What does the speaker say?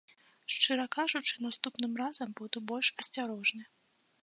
Шчыра кажучы, наступным разам буду больш асцярожны.